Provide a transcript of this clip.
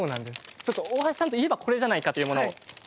ちょっと大橋さんといえばこれじゃないかというものを。